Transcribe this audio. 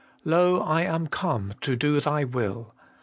Lo, I am come to do Thy will.